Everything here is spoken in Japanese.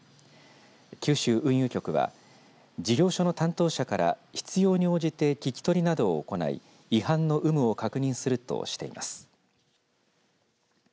九州運輸局は事業所の担当者から必要に応じて聞き取りなどを行い違反の有無を確認するとしています。